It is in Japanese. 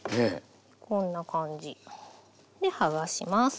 こんな感じで剥がします。